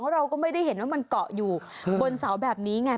เราก็ไม่ได้เห็นว่ามันเกาะอยู่บนเสาแบบนี้ไง